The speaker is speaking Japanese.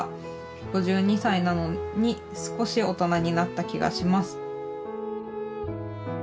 ５２歳なのに少し大人になった気がします」。